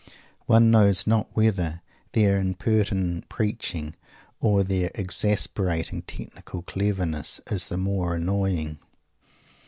One knows not whether their impertinent preaching, or their exasperating technical cleverness is the more annoying.